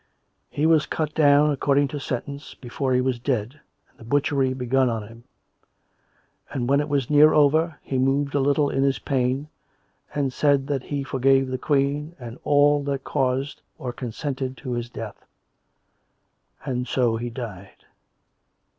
"' He was cut down, according to sentence, before he was dead, and the butchery begun on him; and when it was near over, he moved a little in his pain, and said that he forgave the Queen and all that caused or consented to his death : and so he died.'